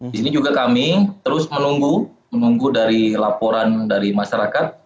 di sini juga kami terus menunggu menunggu dari laporan dari masyarakat